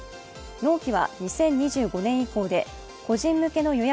納期は２０２５年以降で個人向けの予約